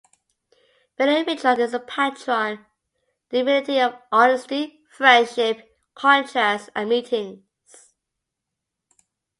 Vedic Mitra is the patron divinity of honesty, friendship, contracts and meetings.